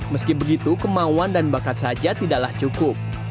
meski begitu kemauan dan bakat saja tidaklah cukup